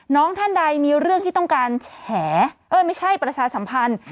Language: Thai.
ท่านใดมีเรื่องที่ต้องการแฉเอ้ยไม่ใช่ประชาสัมพันธ์